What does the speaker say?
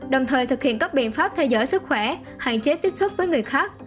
đồng thời thực hiện các biện pháp theo dõi sức khỏe hạn chế tiếp xúc với người khác